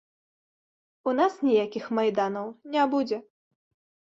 У нас ніякіх майданаў не будзе.